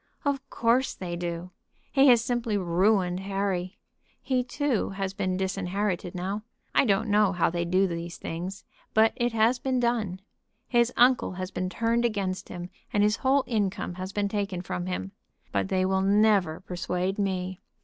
"Of course they do. He has simply ruined Harry. He too has been disinherited now. I don't know how they do these things, but it has been done. His uncle has been turned against him, and his whole income has been taken from him. But they will never persuade me.